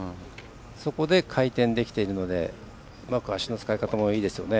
そこで回転できているのでうまく足の使い方もいいですよね。